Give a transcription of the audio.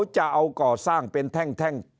จะเอาก่อสร้างเป็นแท่ง